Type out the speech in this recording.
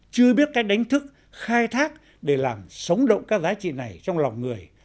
chưa biết cách đánh thức khai thác để làm sống động các giá trị này trong lòng người